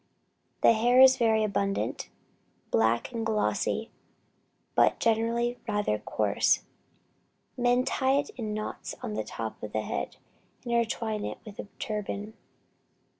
The hair is very abundant, black and glossy, but generally rather coarse. "Men tie it in a knot on the top of the head, and intertwine it with the turban.